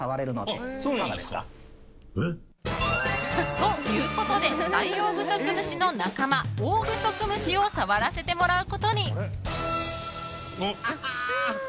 ということでダイオウグソクムシの仲間オオグソクムシを触らせてもらうことに。